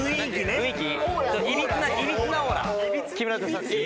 雰囲気。